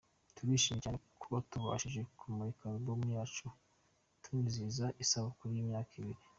Turishimye cyane kuba tubashije kumurika Album yacu tunizihiza isabukuru y’imyaka ibiri.